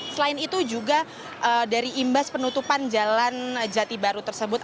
selain itu juga dari imbas penutupan jalan jati baru tersebut